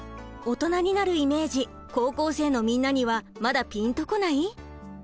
オトナになるイメージ高校生のみんなにはまだピンとこない？